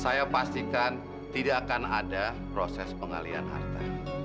saya pastikan tidak akan ada proses pengalian harta